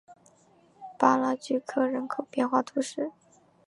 巴拉聚克人口变化图示